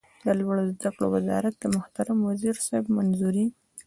د لوړو زده کړو وزارت د محترم وزیر صاحب منظوري